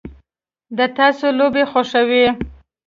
د تاسو لوبې خوښوئ؟